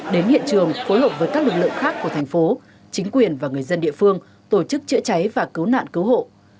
đến hiện trường phối hợp với các lực lượng khác của thành phố chính quyền và người dân địa phương tổ chức chữa cháy và cứu nạn cứu hộ